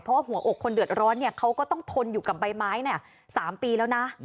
เพราะว่าหัวอกคนเดือดร้อนเขาก็ต้องทนอยู่กับใบไม้๓ปีแล้วนะ